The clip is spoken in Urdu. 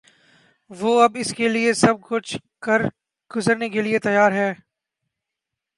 وہ اب اس کے لیے سب کچھ کر گزرنے کے لیے تیار ہیں۔